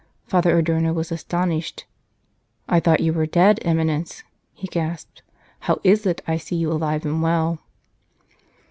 Father Adorno was astounded. " I thought you were dead, Eminence," he gasped ;" how is it I see you alive and well